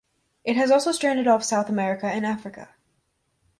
It has also stranded off South America and Africa.